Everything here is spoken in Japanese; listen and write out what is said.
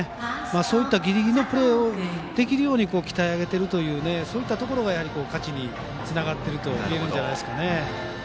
そういったギリギリのプレーができるように鍛えているそういったところが勝ちにつながっているといえるんじゃないんですかね。